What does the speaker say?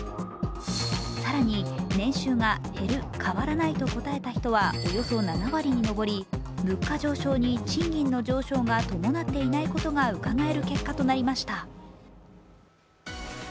更に、年収が減る、変わらないと答えた人はおよそ７割に上り、物価上昇に賃金の上昇が伴っていないことがうかがえる結果となりました。